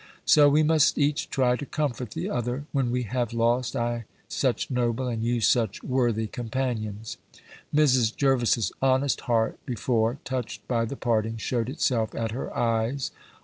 So we must each try to comfort the other, when we have lost, I such noble, and you such worthy companions." Mrs. Jervis's honest heart, before touched by the parting, shewed itself at her eyes.